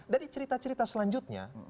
jadi cerita cerita selanjutnya